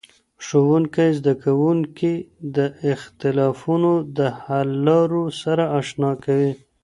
ښوونکی زدهکوونکي د اختلافونو د حللارو سره اشنا کوي.